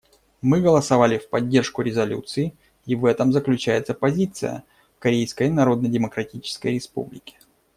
Мы голосовали в поддержку резолюции, и в этом заключается позиция Корейской Народно-Демократической Республики.